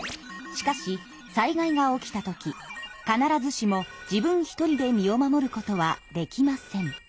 しかし災害が起きた時必ずしも自分１人で身を守ることはできません。